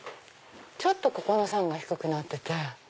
ちょっとここの桟が低くなってて。